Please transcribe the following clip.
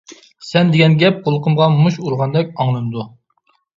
سەن دېگەن گەپ قۇلىقىمغا مۇش ئۇرغاندەك ئاڭلىنىدۇ.